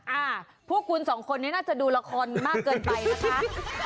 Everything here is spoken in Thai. อ่าพวกคุณสองคนนี้น่าจะดูละครมากเกินไปนะคะ